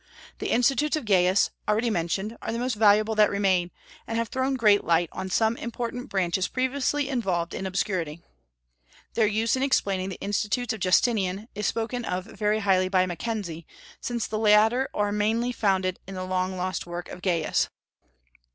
The Institutes of Gaius, already mentioned, are the most valuable that remain, and have thrown great light on some important branches previously involved in obscurity. Their use in explaining the Institutes of Justinian is spoken of very highly by Mackenzie, since the latter are mainly founded on the long lost work of Gaius.